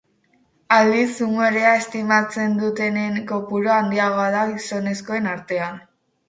Aldiz, umorea estimatzen dutenen kopurua handiagoa da gizonezkoen artean.